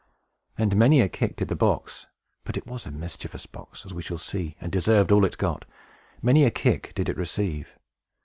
And many a kick did the box (but it was a mischievous box, as we shall see, and deserved all it got) many a kick did it receive.